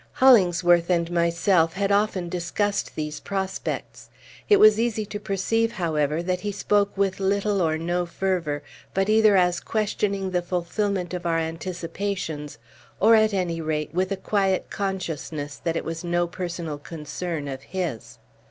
Hollingsworth and myself had often discussed these prospects. It was easy to perceive, however, that he spoke with little or no fervor, but either as questioning the fulfilment of our anticipations, or, at any rate, with a quiet consciousness that it was no personal concern of his.